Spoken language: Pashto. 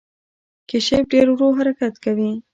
کیشپ ډیر ورو حرکت کوي